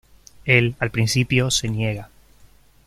Él, al principio, se niega.